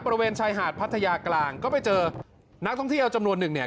บริเวณชายหาดพัทยากลางก็ไปเจอนักท่องเที่ยวจำนวนหนึ่งเนี่ย